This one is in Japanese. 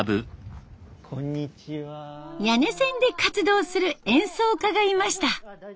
谷根千で活動する演奏家がいました。